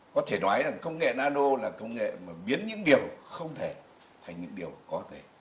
có thể nói là công nghệ nano là công nghệ biến những điều không thể thành những điều có thể